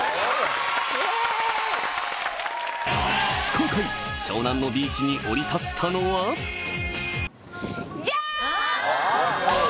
今回湘南のビーチに降り立ったのはハハハ。